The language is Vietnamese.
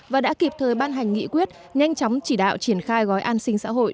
và đã kịp thời ban hành nghị quyết nhanh chóng chỉ đạo triển khai gói an sinh xã hội